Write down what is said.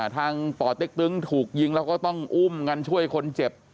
ป่อเต็กตึงถูกยิงแล้วก็ต้องอุ้มกันช่วยคนเจ็บ